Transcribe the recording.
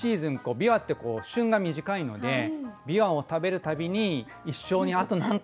びわって旬が短いのでびわを食べる度に一生にあと何回